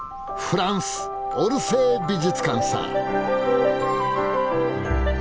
フランスオルセー美術館さ！